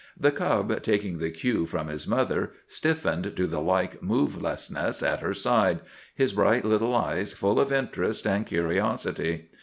The cub, taking the cue from his mother, stiffened to the like movelessness at her side, his bright little eyes full of interest and curiosity.